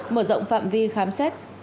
mở rộng phạm vi khám xét